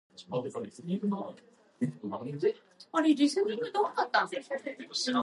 The local Summerfest, is held in July.